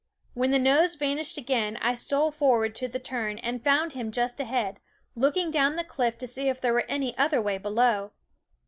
When the nose vanished again I stole forward to the turn and found him just ahead, looking down the cliff to see if there were any other way below.